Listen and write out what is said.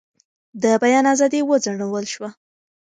د بیان ازادي وځنډول شوه.